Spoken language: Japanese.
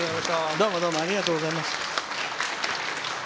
どうもどうもありがとうございました。